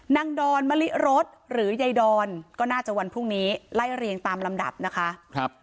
ดอนมะลิรสหรือยายดอนก็น่าจะวันพรุ่งนี้ไล่เรียงตามลำดับนะคะ